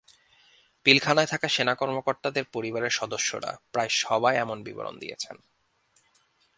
পিলখানায় থাকা সেনা কর্মকর্তাদের পরিবারের সদস্যরা প্রায় সবাই এমন বিবরণ দিয়েছেন।